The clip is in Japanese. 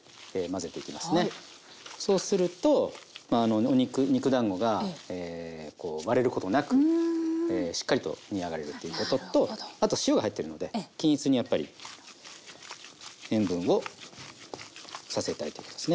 そうすると肉だんごが割れることなくしっかりと煮上がれるということとあと塩が入っているので均一にやっぱり塩分をさせたいと思いますね。